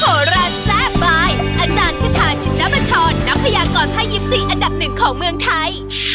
โหระแซ่บบ้านอาจารย์ขทาชิณบชรนักพยากรภายยิปซีอันดับหนึ่งของเมืองไทย